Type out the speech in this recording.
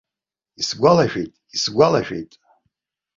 Исгәалашәеит, исгәалашәеит!